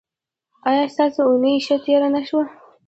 ایا ستاسو اونۍ ښه تیره نه شوه؟